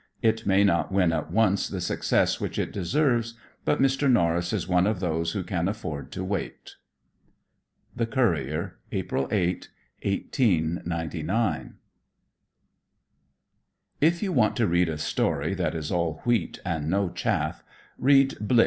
It may not win at once the success which it deserves, but Mr. Norris is one of those who can afford to wait. The Courier, April 8, 1899 If you want to read a story that is all wheat and no chaff, read "Blix."